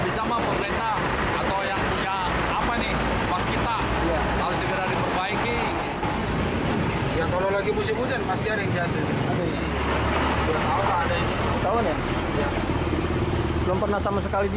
ini kan kemarin hujan gerus semua